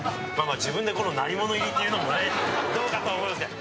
自分で「鳴り物入り」って言うのもどうかと思いますけど。